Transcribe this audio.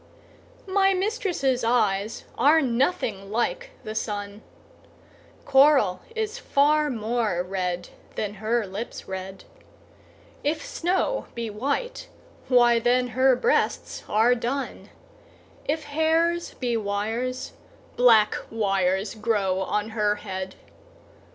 MY mistress' eyes are nothing like the sun; Coral is far more red than her lips' red; If snow be white, why then her breasts are dun; If hairs be wires, black wires grow on her head.